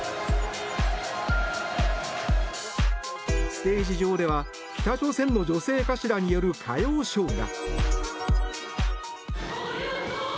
ステージ上では北朝鮮の女性歌手らによる歌謡ショーが。